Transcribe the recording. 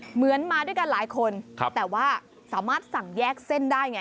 มาด้วยกันหลายคนแต่ว่าสามารถสั่งแยกเส้นได้ไง